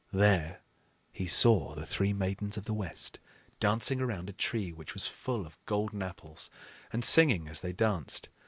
There he saw the three Maidens of the West dancing around a tree which was full of golden apples, and singing as they danced.